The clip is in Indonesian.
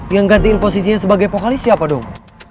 yang gantiin posisinya sebagai vokalis siapa dong